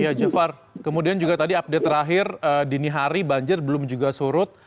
ya jafar kemudian juga tadi update terakhir dini hari banjir belum juga surut